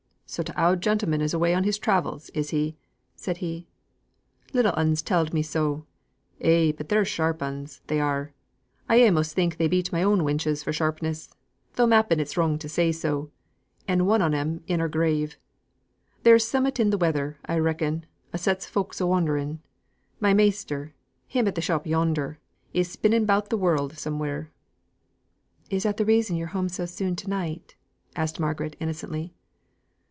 "So th' oud gentleman's away on his travels, is he?" said he. "Little 'uns telled me so. Eh! but the're sharp 'uns they are; I a'most think they beat my own wenches for sharpness, though mappen it's wrong to say so, and one on 'em in her grave. There's summut in th' weather, I reckon, as sets folk a wandering. My measter, him at th' shop yonder, is spinning about th' world somewhere." "Is that the reason you're so soon at home to night?" asked Margaret innocently.